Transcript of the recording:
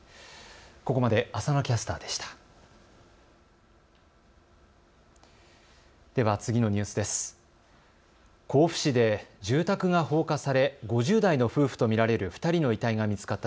ここまで浅野キャスターでした。